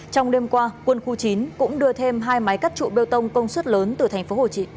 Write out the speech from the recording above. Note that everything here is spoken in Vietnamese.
trong đêm qua quân khu chín cũng đưa thêm hai máy cắt trụ bê tông công suất lớn từ thành phố hồ chị